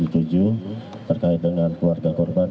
terkait dengan keluarga korban